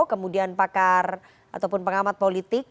kemudian pakar ataupun pengamat politik